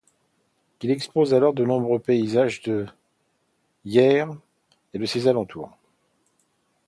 Il expose alors de nombreux paysages de Yerres et de ses alentours.